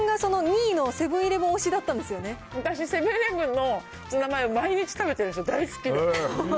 私、セブンーイレブンのツナマヨ、毎日食べてるんですよ、大好きで。